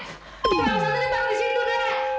santannya takut di situ dek